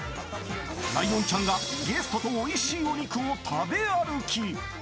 ライオンちゃんがゲストとおいしいお肉を食べ歩き。